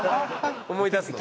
思い出すの？